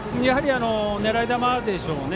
狙い球でしょうね。